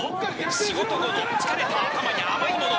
仕事後の疲れた頭に甘いもの。